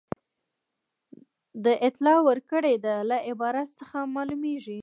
د اطلاع ورکړې ده له عبارت څخه معلومیږي.